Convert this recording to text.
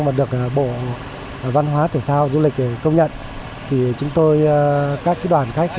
mà được bộ văn hóa thể thao du lịch công nhận thì chúng tôi các đoàn khách